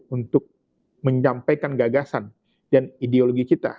untuk menyampaikan gagasan dan ideologi kita